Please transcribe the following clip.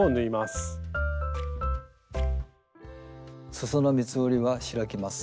すその三つ折りは開きます。